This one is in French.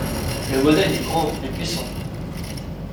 Le modèle est grand et puissant.